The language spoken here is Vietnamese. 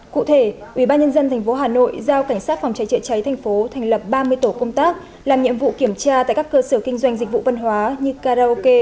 cụ thể ubnd tp hà nội giao cảnh sát phòng cháy chữa cháy thành phố thành lập ba mươi tổ công tác làm nhiệm vụ kiểm tra tại các cơ sở kinh doanh dịch vụ văn hóa như karaoke